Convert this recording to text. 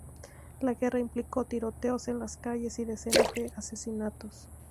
La guerra implicó tiroteos en las calles y decenas de asesinatos.